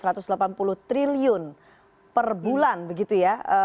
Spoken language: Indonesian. rp satu ratus delapan puluh triliun per bulan begitu ya